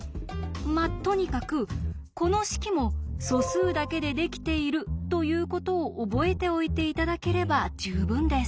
まあとにかくこの式も素数だけでできているということを覚えておいて頂ければ十分です。